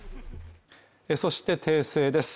そして訂正です